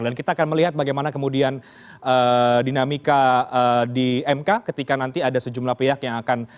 dan kita akan melihat bagaimana kemudian dinamika di mk ketika nanti ada sejumlah pihak yang akan menggugat